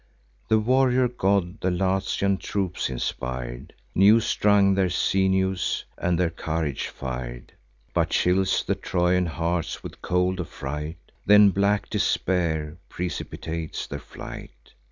The warrior god the Latian troops inspir'd, New strung their sinews, and their courage fir'd, But chills the Trojan hearts with cold affright: Then black despair precipitates their flight.